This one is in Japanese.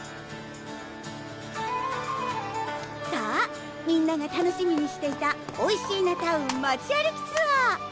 さぁみんなが楽しみにしていた「おいしーなタウン街歩きツアー！」